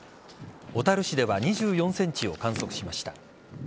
小樽市では２４ｃｍを観測しました。